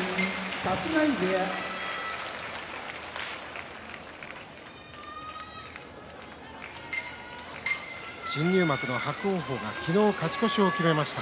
立浪部屋新入幕の伯桜鵬が昨日、勝ち越しを決めました。